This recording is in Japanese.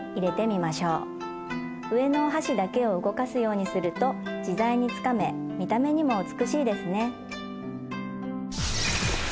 上のお箸だけを動かすようにすると自在につかめ見た目にも美しいですね。